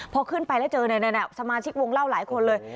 พอขึ้นไปแล้วเจอสมาชิกวงเล่าหลายคนเลย